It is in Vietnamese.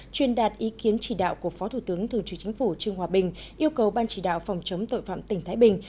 truyền đạt ý kiến chỉ đạo của phó thủ tướng thường trực chính phủ trương hòa bình yêu cầu ban chỉ đạo phòng chống tội phạm tỉnh thái bình